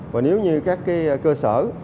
và nếu như các cái cơ sở